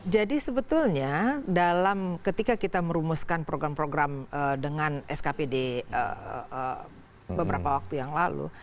jadi sebetulnya dalam ketika kita merumuskan program program dengan skpd beberapa waktu yang lalu